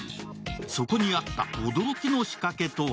そこにあった驚きの仕掛けとは？